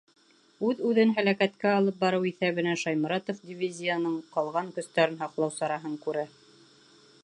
Үҙ-үҙен һәләкәткә алып барыу иҫәбенә Шайморатов дивизияның ҡалған көстәрен һаҡлау сараһын күрә.